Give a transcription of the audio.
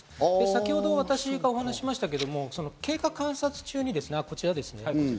先ほど私がお話しましたけど経過観察中に、こちらですね。